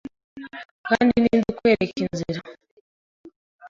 Kandi ni nde ukwereka inzira